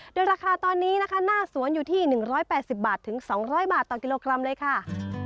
โดยราคาตอนนี้นะคะหน้าสวนอยู่ที่๑๘๐บาทถึง๒๐๐บาทต่อกิโลกรัมเลยค่ะ